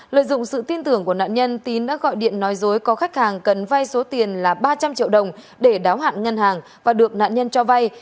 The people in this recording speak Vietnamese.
lợi dụng sự tin tưởng của nạn nhân tín đã gọi điện nói dối có khách hàng cần vay số tiền là ba trăm linh triệu đồng để đáo hạn ngân hàng và được nạn nhân cho vay